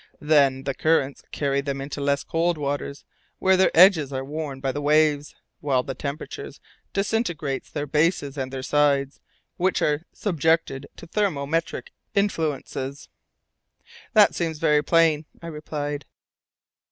Then the currents carry them into less cold waters, where their edges are worn by the waves, while the temperature disintegrates their bases and their sides, which are subjected to thermometric influences." "That seems very plain," I replied.